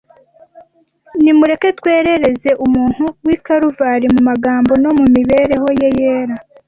Nimureke twerereze Umuntu w’I Kaluvari mu magambo no mu mibereho yera.